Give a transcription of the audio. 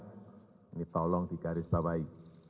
ini tolong di garis babai